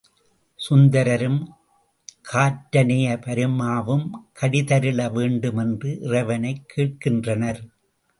சுந்தரரும், காற்றனைய பரிமாவும் கடி தருள வேண்டும் என்று இறைவனைக் கேட்கின்றனர்.